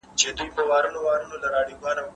د سولي لار د انسانیت د خیر لار ده.